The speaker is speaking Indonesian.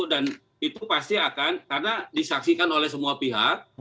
dan itu pasti akan karena disaksikan oleh semua pihak